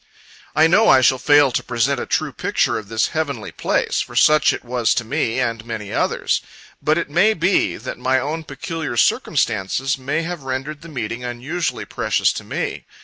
I know, I shall fail to present a true picture of this heavenly place; for such it was to me, and many others. But, it may be, that my own peculiar circumstances may have rendered the meetings unusually precious to me.